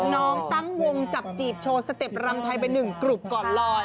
น้องตั้งวงจับจีบโชว์สเต็ปรำไทยไป๑กลุ่มก่อนลอย